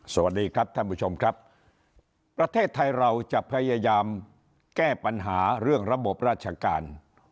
สวัสดีครับท่านผู้ชมครับประเทศไทยเราจะพยายามแก้ปัญหาเรื่องระบบราชการ